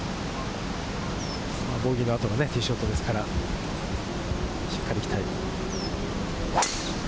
ボギーの後のティーショットですから、しっかり行きたい。